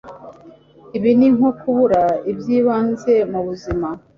ibi ni nko kubura ibyibanze mu buzima